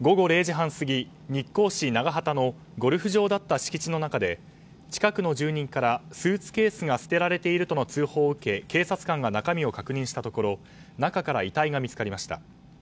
午後０時半過ぎ、日光市長畑のゴルフ場だった敷地の中で近くの住人からスーツケースが捨てられているとの通報を受け警察官が中身を確認したところ中から遺体が見つかりました。